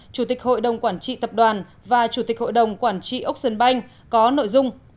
chủ tịch hội đồng quản trị tập đoàn và chủ tịch hội đồng quản trị ốc sơn banh có nội dung